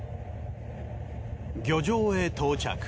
漁場へ到着。